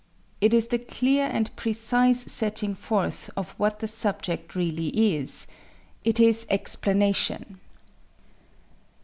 It is the clear and precise setting forth of what the subject really is it is explanation.